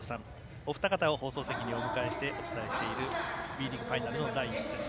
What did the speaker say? お二方を放送席にお迎えしてお伝えしているＢリーグファイナルの第１戦。